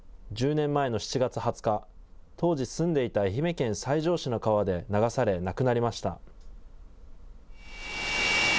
１０年前の７月２０日、当時、住んでいた愛媛県西条市の川で流され、亡くなりました。